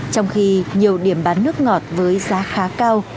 trong khi nhiều điểm bán nước ngọt với giá khá cao